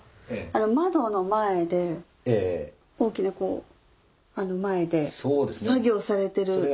窓の前で大きな前で作業されてる方。